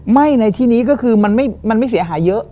ไหม้ในที่นี้ก็คือมันไม่เสียหายเยอะ